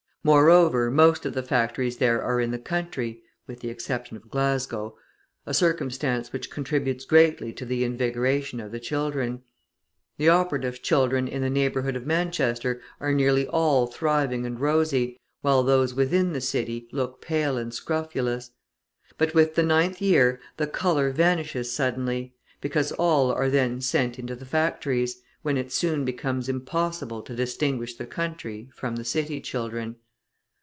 Moreover, most of the factories there are in the country (with the exception of Glasgow), a circumstance which contributes greatly to the invigoration of the children. The operatives' children in the neighbourhood of Manchester are nearly all thriving and rosy, while those within the city look pale and scrofulous; but with the ninth year the colour vanishes suddenly, because all are then sent into the factories, when it soon becomes impossible to distinguish the country from the city children.